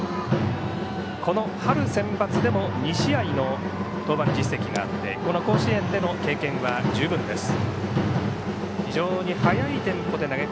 この春センバツでも２試合の登板実績があってこの甲子園での経験は十分です。